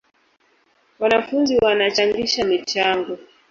Wanafunzi wanachangisha michango